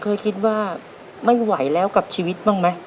เคยคิดว่าไม่ไหวแล้วกับชีวิตบ้างไหม